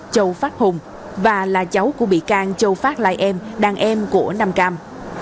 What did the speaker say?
châu phát hùng và là cháu của bị can châu phát lai em đàn em của nam cam